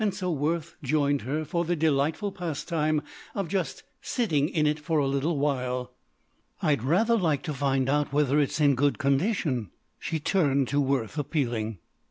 So Worth joined her for the delightful pastime of just sitting in it for a little while. "I'd rather like to find out whether it's in good condition." She turned to Worth appealing.